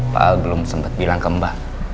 pak al belum sempat bilang ke mbak